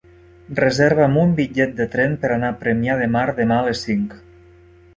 Reserva'm un bitllet de tren per anar a Premià de Mar demà a les cinc.